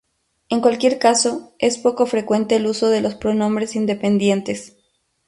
En cualquier caso, es poco frecuente el uso de los pronombres independientes.